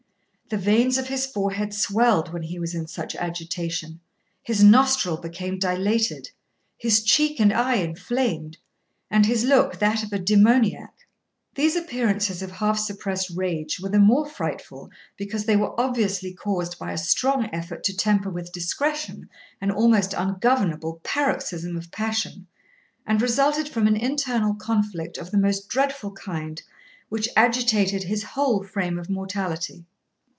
The veins of his forehead swelled when he was in such agitation; his nostril became dilated; his cheek and eye inflamed; and hislook that of a demoniac. These appearances of half suppressed rage were the more frightful because they were obviously caused by a strong effort to temper with discretion an almost ungovernable paroxysm of passion, and resulted from an internal conflict of the most dreadful kind, which agitated his whole frame of mortality.